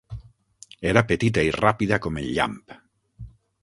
Era petita i ràpida com el llamp.